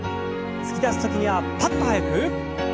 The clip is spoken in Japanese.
突き出す時にはパッと速く。